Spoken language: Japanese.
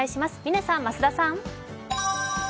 嶺さん、増田さん。